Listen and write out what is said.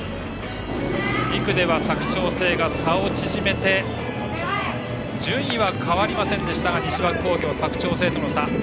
２区では佐久長聖が差を縮めて順位は変わりませんでしたが西脇工業、佐久長聖との差。